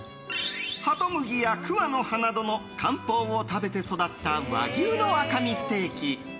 ハトムギや桑の葉などの漢方を食べて育った和牛の赤身ステーキ。